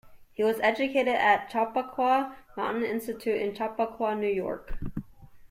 He was educated at Chappaqua Mountain Institute in Chappaqua, New York.